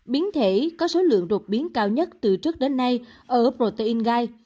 biến thể có số lượng đột biến cao nhất từ trước đến nay ở protein gai